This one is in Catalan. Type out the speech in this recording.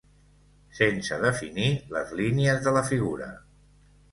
Sense definir les línies de la figura.